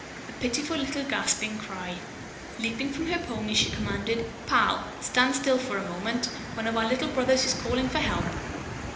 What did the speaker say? A pitiful little gasping cry. Leaping from her pony, she commanded: "Pal, stand still for a moment. One of our little brothers is calling for help."